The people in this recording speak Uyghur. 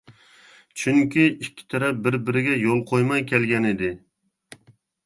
چۈنكى ئىككى تەرەپ بىر-بىرىگە يول قويماي كەلگەنىدى.